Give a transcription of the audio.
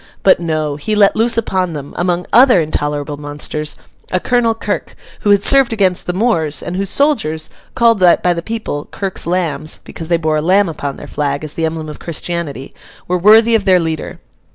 But no; he let loose upon them, among other intolerable monsters, a Colonel Kirk, who had served against the Moors, and whose soldiers—called by the people Kirk's lambs, because they bore a lamb upon their flag, as the emblem of Christianity—were worthy of their leader.